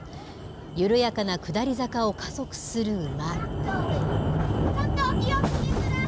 緩やかな下り坂を加速する馬。